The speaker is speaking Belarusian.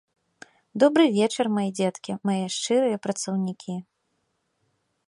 Добры вечар, мае дзеткі, мае шчырыя працаўнікі.